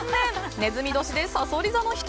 ねずみ年でさそり座の人。